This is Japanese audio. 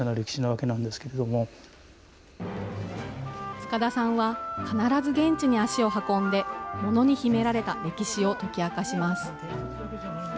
塚田さんは必ず現地に足を運んで、ものに秘められた歴史を解き明かします。